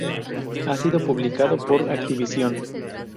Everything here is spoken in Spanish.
Ha sido publicado por Activision.